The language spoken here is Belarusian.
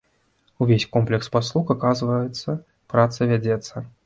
Увесь комплекс паслуг аказваецца, праца вядзецца.